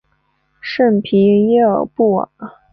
圣皮耶尔布瓦。